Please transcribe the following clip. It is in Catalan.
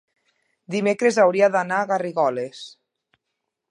dimecres hauria d'anar a Garrigoles.